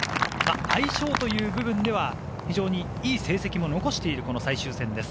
相性という部分では非常にいい成績を残している最終戦です。